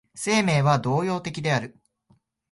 生命は動揺的である。